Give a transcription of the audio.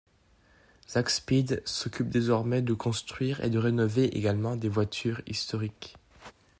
Zakspeed s'occupe désormais de construire et de rénover également des voitures historiques.